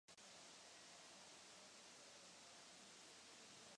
Po neúspěšném sedmém zápase série proti brněnské Kometě ukončil sportovní kariéru.